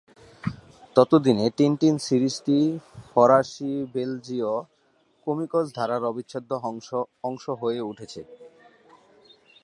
ততদিনে টিনটিন সিরিজটি ফরাসী-বেলজীয় কমিকস ধারার অবিচ্ছেদ্য অংশ হয়ে উঠেছে।